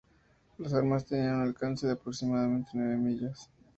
Las armas tenían un alcance de aproximadamente nueve millas.